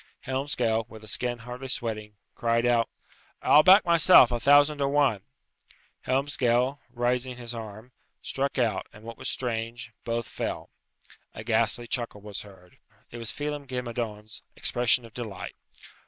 Helmsgail, with a skin hardly sweating, cried out, "I'll back myself, a thousand to one." Helmsgail, raising his arm, struck out; and, what was strange, both fell. A ghastly chuckle was heard. It was Phelem ghe Madone's expression of delight.